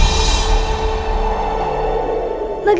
kamu sudah menjadi milikku